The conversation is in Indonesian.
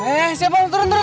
eh siapa turun turun turun